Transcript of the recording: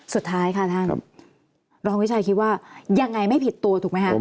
สุดท้ายค่ะท่านรองวิชัยคิดว่ายังไงไม่ผิดตัวถูกไหมคะ